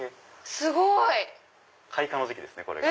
すごい！開花の時期ですねこれが。